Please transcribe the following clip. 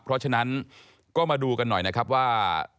เพราะฉะนั้นก็มาดูกันหน่อยนะครับว่า